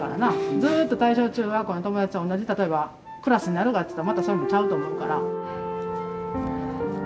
ずっと大正中学校の友達と同じ例えばクラスになるがっつったらまたそれもちゃうと思うから。